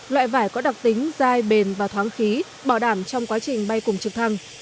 loại vải có đặc tính dai bền và thoáng khí bảo đảm trong quá trình bay cùng trực thăng